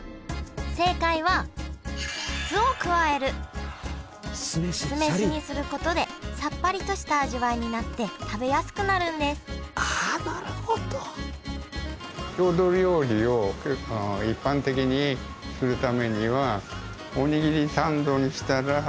正解は酢飯にすることでさっぱりとした味わいになって食べやすくなるんですあなるほど。と思って開発しました。